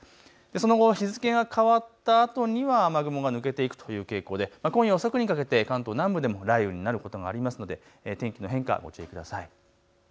その後、日付が変わったあとには雨雲が抜けていくという傾向で今夜遅くにかけて関東南部でも雷雨になることがありますので天気の変化、ご注意ください。